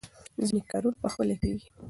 ځینې کارونه په خپله کېږي.